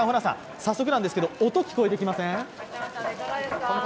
早速なんですけども、音、聞こえてきません？